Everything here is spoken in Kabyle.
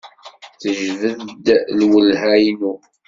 Tejbed-d lwelha-inu.